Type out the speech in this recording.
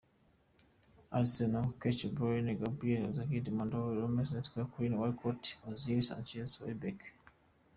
Arsenal : Cech, Bellerin, Gabriel, Koscielny, Monreal, Ramsey, Coquelin, Walcott, Ozil, Sanchez, Welbeck.